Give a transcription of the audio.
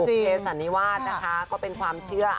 เทสันนิวาสนะคะก็เป็นความเชื่อ